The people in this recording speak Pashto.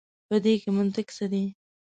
په دې کي منطق څه دی.